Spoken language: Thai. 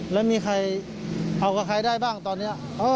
แล้วมีใครเอากับใครได้บ้างตอนนี้